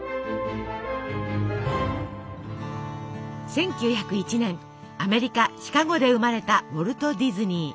１９０１年アメリカシカゴで生まれたウォルト・ディズニー。